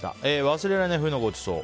忘れられない冬のごちそう。